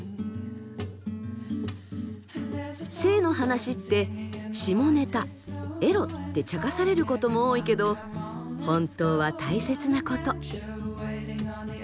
性の話って下ネタエロってちゃかされることも多いけど本当は大切なこと。